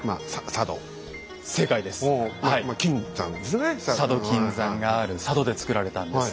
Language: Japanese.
佐渡金山がある佐渡でつくられたんです。